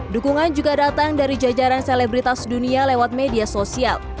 dukungan juga datang dari jajaran selebritas dunia lewat media sosial